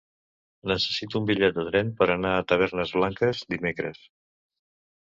Necessito un bitllet de tren per anar a Tavernes Blanques dimecres.